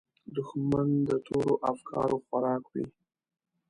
دښمن د تورو افکارو خوراک وي